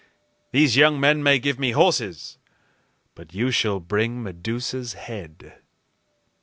"These young men may give me horses, but you shall bring Medusa's head."